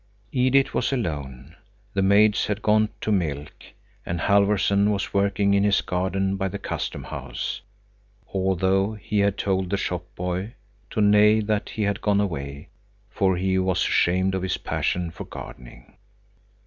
Edith was alone. The maids had gone to milk, and Halfvorson was working in his garden by the custom house, although he had told the shop boy to nay that he had gone away, for he was ashamed of his passion for gardening.